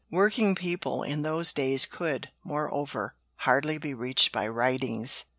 Working people in those days could, moreover, hardly be reached by writings.